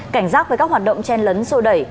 cảnh giác với các hoạt động chen lấn sô đẩy